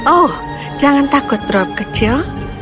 oh jangan takut drop kecil